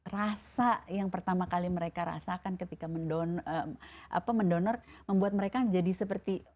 rasa yang pertama kali mereka rasakan ketika mendonor apa mendonor membuat mereka jadi seperti